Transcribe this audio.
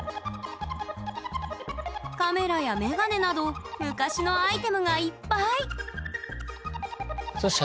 カメラやメガネなど昔のアイテムがいっぱい！